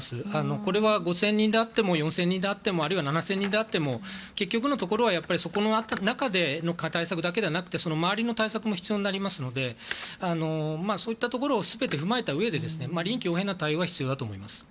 これは５０００人であっても４０００人であってもあるいは７０００人であっても結局のところはその中で対策だけではなくて周りの対策も必要になりますのでそういったところを全て踏まえたうえで臨機応変な対応が必要だと思います。